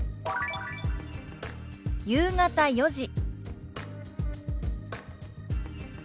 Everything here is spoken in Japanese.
「夕方４時」。